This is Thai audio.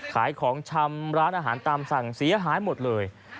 ของชำร้านอาหารตามสั่งเสียหายหมดเลย